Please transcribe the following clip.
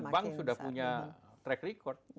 ya karena bank sudah punya track record